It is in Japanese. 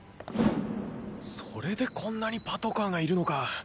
それでこんなにパトカーがいるのか。